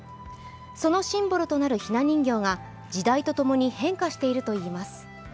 そのシンボルとなるひな人形が時代と共に変化しているといいます。